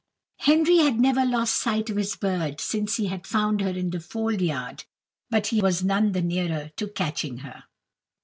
Henry had never lost sight of his bird since he had found her in the fold yard; but he was none the nearer to catching her.